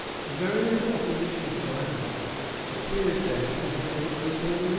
Very little opposition, however, appears there to have been openly made to it.